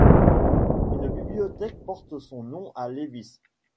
Une bibliothèque porte son nom à Lévis.